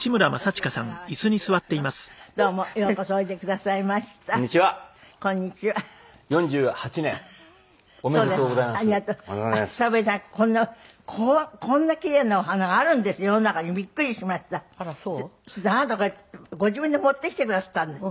それであなたこれご自分で持ってきてくだすったんですって？